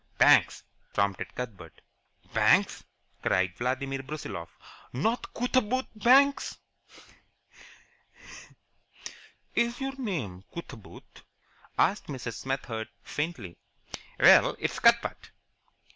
"Banks," prompted Cuthbert. "Banks!" cried Vladimir Brusiloff. "Not Cootaboot Banks?" "Is your name Cootaboot?" asked Mrs. Smethurst, faintly. "Well, it's Cuthbert."